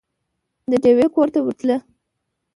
د ډېوې کور ته ورتله